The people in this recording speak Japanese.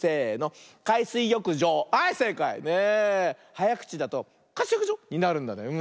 はやくちだと「かすよくじょ」になるんだね。